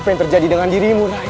apa yang terjadi dengan dirimu